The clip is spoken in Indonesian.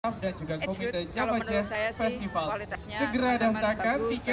kemudian yang saya sampaikan adalah bahwa di panggung itu ketemulah tiga generasi diplomat indonesia